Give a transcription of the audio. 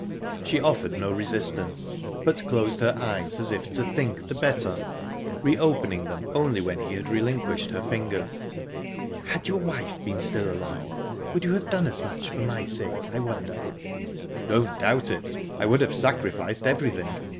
She offered no resistance, but closed her eyes, as if to think the better, reopening them only when he had relinquished her fingers. "Had your wife been still alive, would you have done as much for my sake, I wonder?" "Don't doubt it. I would have sacrificed everything.